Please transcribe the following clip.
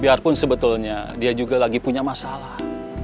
biarpun sebetulnya dia juga lagi punya masalah